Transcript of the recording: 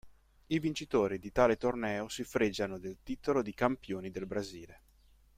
I vincitori di tale torneo si fregiano del titolo di campioni del Brasile.